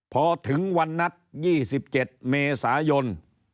พอถึงวันนัด๒๗เมษายน